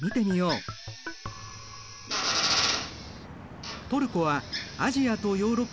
トルコはアジアとヨーロッパの中間地点。